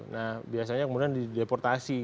nah biasanya kemudian dideportasi